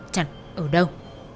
chẳng ở đâu